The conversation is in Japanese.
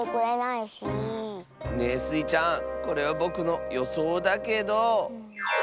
ねえスイちゃんこれはぼくのよそうだけど。